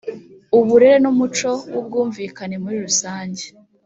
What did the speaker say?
uburere n umuco w ubwumvikane muri rusange